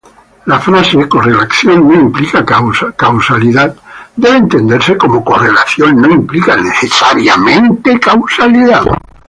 La frase "correlación no implica causalidad" debe entenderse como "correlación no implica "necesariamente" causalidad".